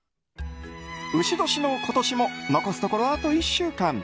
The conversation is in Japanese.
丑年の今年も残すところあと１週間。